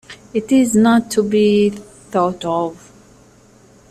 It is not to be thought of.